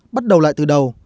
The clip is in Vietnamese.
bắt đầu lại từ đầu